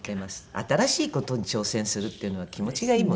新しい事に挑戦するっていうのは気持ちがいいもんですよね。